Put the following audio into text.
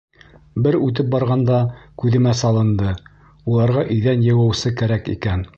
Бер үтеп барғанда күҙемә салынды: уларға иҙән йыуыусы кәрәк икән.